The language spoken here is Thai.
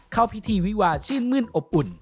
เข้าพิธีวิวาชื่นมื้นอบอุ่น